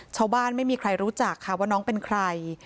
ไม่มีใครรู้จักค่ะว่าน้องเป็นใคร